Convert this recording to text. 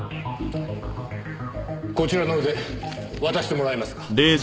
こちらの腕渡してもらえますか。